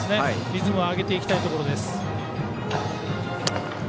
リズムを上げていきたいとこです。